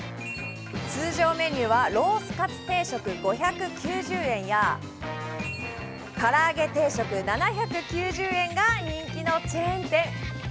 通常メニューはロースカツ定食５９０円や唐揚げ定食７９０円が人気のチェーン店。